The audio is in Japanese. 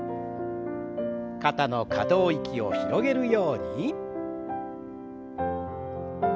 肩の可動域を広げるように。